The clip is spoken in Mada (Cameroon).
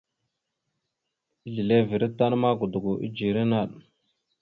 Izleveré tan ma godogo idzeré naɗ.